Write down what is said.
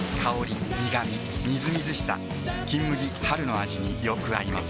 みずみずしさ「金麦」春の味によく合います